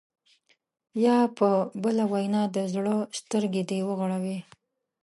یا په بله وینا د زړه سترګې دې وغړوي.